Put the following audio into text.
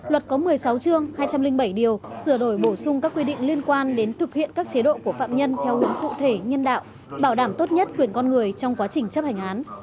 luật có một mươi sáu chương hai trăm linh bảy điều sửa đổi bổ sung các quy định liên quan đến thực hiện các chế độ của phạm nhân theo hướng cụ thể nhân đạo bảo đảm tốt nhất quyền con người trong quá trình chấp hành án